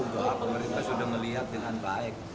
enggak juga pemerintah sudah melihat dengan baik